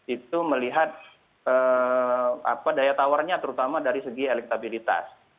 itu melihat daya tawarnya terutama dari segi elektabilitas